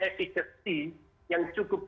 efeksi yang cukup